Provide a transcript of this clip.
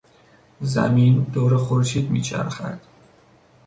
زمین دور خورشید میچرخد.